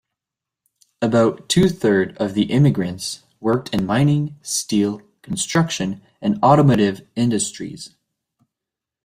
About two-third of the immigrants worked in mining, steel, construction, and automotive industries.